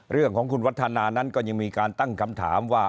เรื่องของคุณวัฒนานั้นก็ยังมีการตั้งคำถามว่า